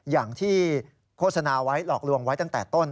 อย่างที่โฆษณาไว้หลอกลวงไว้ตั้งแต่ต้น